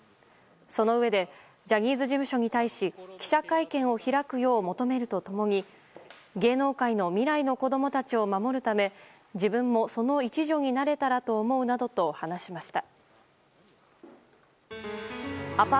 そのうえでジャニーズ事務所に対し記者会見を開くよう求めると共に芸能界の未来の子供たちを守るため自分もその一助になれたらと思うなどと話しました。